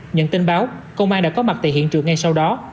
nhận tin báo công an đã có mặt tại hiện trường ngay sau đó